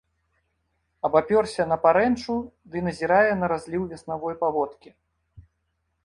Абапёрся на парэнчу ды назірае на разліў веснавой паводкі.